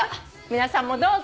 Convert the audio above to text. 皆さんもどうぞ。